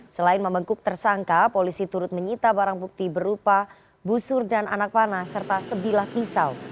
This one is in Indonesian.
selain membekuk tersangka polisi turut menyita barang bukti berupa busur dan anak panah serta sebilah pisau